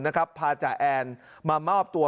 นะครับพาจ่าแอนมามอบตัว